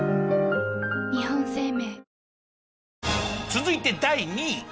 続いて第２位。